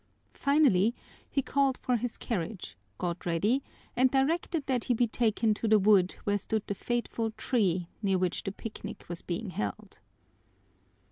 Finally, he called for his carriage, got ready, and directed that he be taken to the wood where stood the fateful tree near which the picnic was being held.